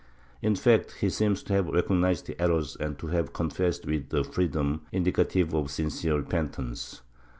In fact he seems to have recognized his errors and to have con fessed with a freedom indicative of sincere repentance.